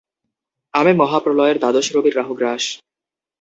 আমি মহা প্রলয়ের দ্বাদশ রবির রাহু গ্রাস।